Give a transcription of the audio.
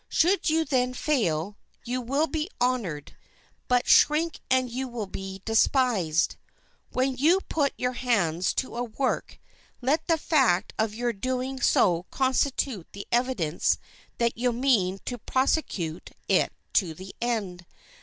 Should you then fail, you will be honored; but shrink and you will be despised. When you put your hands to a work, let the fact of your doing so constitute the evidence that you mean to prosecute it to the end.